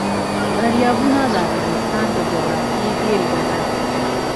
دریابونه د افغانستان د جغرافیې بېلګه ده.